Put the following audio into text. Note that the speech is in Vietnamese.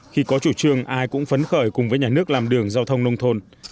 khi có chủ trương ai cũng phấn khởi cùng với nhà nước làm đường giao thông nông thôn